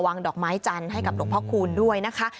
ดอกไม้จันทร์ให้กับหลวงพ่อคูณด้วยนะคะ